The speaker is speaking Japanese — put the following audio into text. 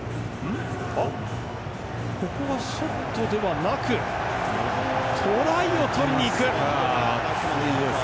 ここはショットではなくトライを取りにいく！